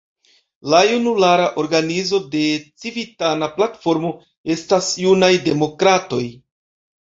La junulara organizo de Civitana Platformo estas Junaj Demokratoj.